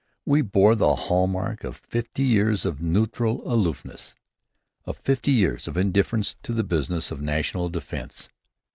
We bore the hallmark of fifty years of neutral aloofness, of fifty years of indifference to the business of national defense.